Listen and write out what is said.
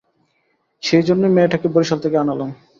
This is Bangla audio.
সেই জন্যেই মেয়েটাকে বরিশাল থেকে আনালাম।